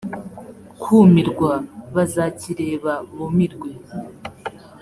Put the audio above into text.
kumirwa bazakireba bumirwe